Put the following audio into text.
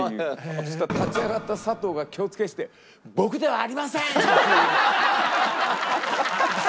そしたら立ち上がったサトウが気をつけして「僕ではありません！」っていう。